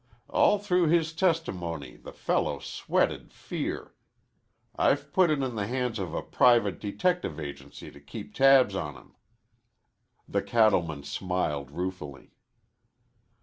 All through his testimony the fellow sweated fear. I've put it in the hands of a private detective agency to keep tabs on him." The cattleman smiled ruefully.